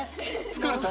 疲れた？